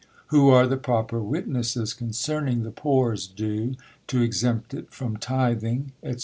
Who are the proper witnesses concerning the poor's due, to exempt it from tithing, &c.